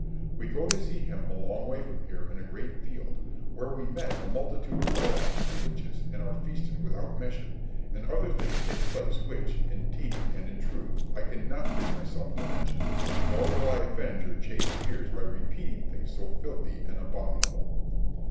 We go to see him a long way from here in a great field, where we meet a multitude of warlocks and witches, and are feasted without measure, and other things take place which, indeed and in truth, I cannot bring myself to mention, nor will I offend your chaste ears by repeating things so filthy and abominable.